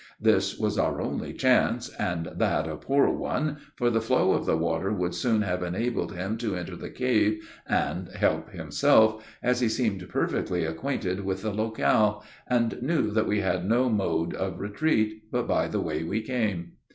This was our only chance, and that a poor one for the flow of the water would soon have enabled him to enter the cave and help himself, as he seemed perfectly acquainted with the locale, and knew that we had no mode of retreat, but by the way we came.